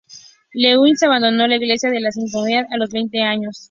Lewis abandonó la iglesia de la Cienciología a los veinte años.